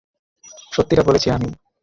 সত্যিটা বলেছি আমি।